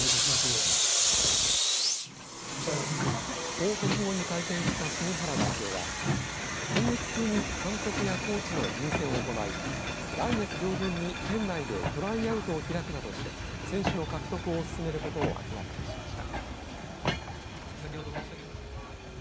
報告後に会見をした杉原代表は今月中に監督やコーチの人選を行い来月上旬に県内でトライアウトを開くなどして選手の獲得を進めることを明らかにしました。